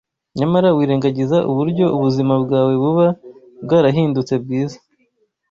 Nyamara wirengagiza uburyo ubuzima bwawe buba bwarahindutse Bwiza